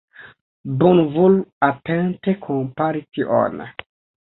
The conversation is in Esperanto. Bonvolu atente kompari tion.